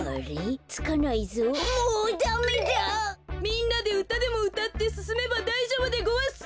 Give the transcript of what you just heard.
みんなでうたでもうたってすすめばだいじょうぶでごわす。